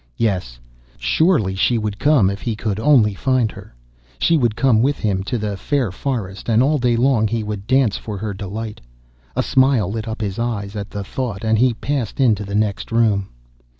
Yes: surely she would come if he could only find her! She would come with him to the fair forest, and all day long he would dance for her delight. A smile lit up his eyes at the thought, and he passed into the next room.